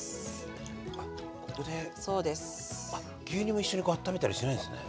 牛乳も一緒にあっためたりしないんですね。